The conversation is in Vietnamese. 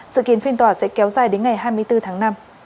sự kiến phiên tòa sẽ kéo dài đến ngày hai mươi bốn tháng năm